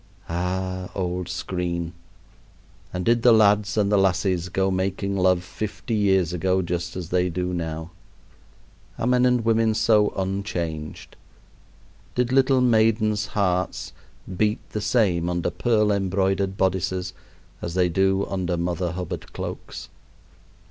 Ah! old screen, and did the lads and the lassies go making love fifty years ago just as they do now? Are men and women so unchanged? Did little maidens' hearts beat the same under pearl embroidered bodices as they do under Mother Hubbard cloaks?